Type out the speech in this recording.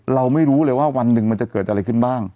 เราไม่รู้เลยว่าวันหนึ่งมันจะเกิดอะไรขึ้นบ้าง